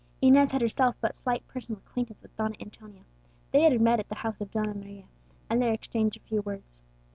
Inez had herself but slight personal acquaintance with Donna Antonia; they had met at the house of Donna Maria, and had there exchanged a few words.